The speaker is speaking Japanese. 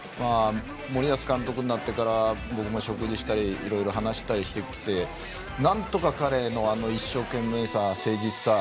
森保監督になってから僕も食事をしたりいろいろ話したりしてきてなんとか彼の一生懸命さ、誠実さ